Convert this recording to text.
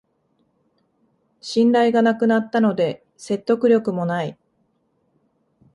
信頼がなくなったので説得力もない